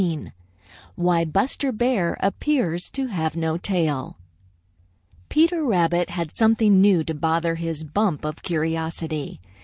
XIII WHY BUSTER BEAR APPEARS TO HAVE NO TAIL Peter Rabbit had something new to bother his bump of curiosity.